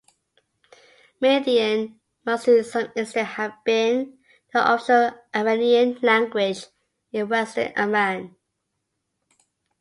Median must to some extent have been the official Iranian language in western Iran.